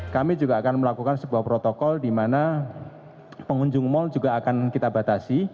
kami juga akan melakukan sebuah protokol di mana pengunjung mal juga akan kita batasi